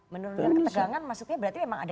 menurunkan ketegangan maksudnya berarti memang ada